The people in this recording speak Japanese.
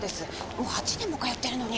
もう８年も通ってるのに。